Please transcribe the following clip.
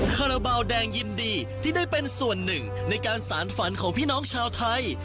คาราบาลแดงยินดีที่ได้เป็นส่วนหนึ่งในการสารฝันของพี่น้องชาวไทย